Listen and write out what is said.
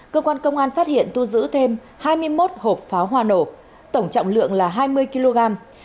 cơ quan công an phát hiện thu giữ thêm hai mươi một hộp pháo hoa nổ tổng trọng lượng là hai mươi kg